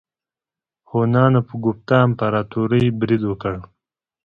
هونانو په ګوپتا امپراتورۍ برید وکړ.